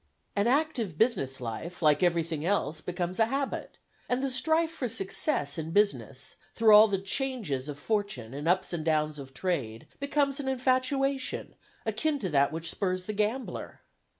An active business life, like everything else, becomes a habit, and the strife for success in business, through all the changes of fortune, and ups and downs of trade, becomes an infatuation akin to that which spurs the gambler.